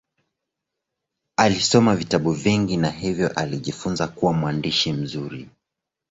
Alisoma vitabu vingi na hivyo alijifunza kuwa mwandishi mzuri.